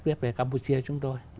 viết về campuchia chúng tôi